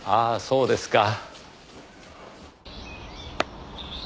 そうですか。